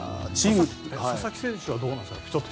佐々木選手はどうなんですか？